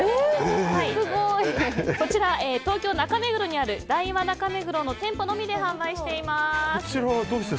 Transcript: こちら、東京・中目黒にあるダイワ中目黒の店舗のみで販売しています。